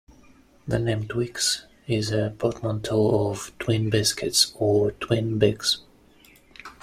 The name Twix is a portmanteau of twin biscuits, or 'twin bix'.